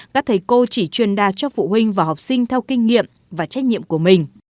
các thầy cô chỉ truyền đạt cho phụ huynh và học sinh theo kinh nghiệm và trách nhiệm của mình